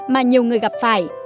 mà nhiều người gặp phải